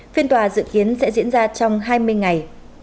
phiên tòa dự kiến sẽ diễn ra trong hai mươi ngày